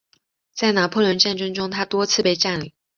在拿破仑战争中它多次被占领。